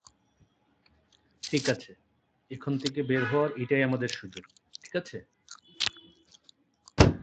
ঠিক আছে, এখান থেকে বের হওয়ার এটাই আমাদের সুযোগ, ঠিক আছে?